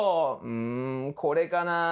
うんこれかなあ？